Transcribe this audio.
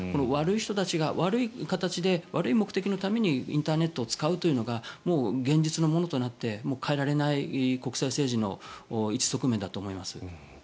悪い人たちが悪い形で悪い目的のためにインターネットを使うというのが現実のものとなって変えられない国際政治の一側面だと思います。